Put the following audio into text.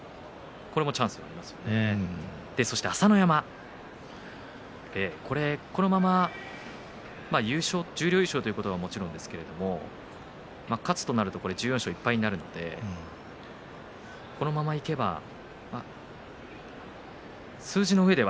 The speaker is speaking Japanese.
そして、朝乃山、このまま十両優勝ということはもちろんですけれど勝つとなると１４勝１敗となるのでこのままいけば数字の上では。